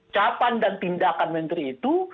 capan dan tindakan menteri itu